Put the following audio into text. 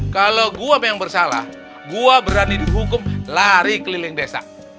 kalau gue apa yang bersalah gua berani dihukum lari keliling desa